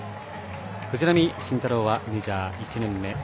藤浪晋太郎はメジャー１年目。